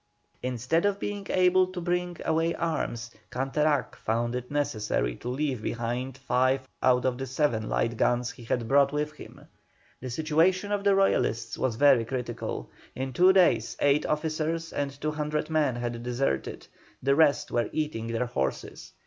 Instead of being able to bring away arms, Canterac found it necessary to leave behind five out of the seven light guns he had brought with him. The situation of the Royalists was very critical; in two days eight officers and 200 men had deserted, the rest were eating their horses.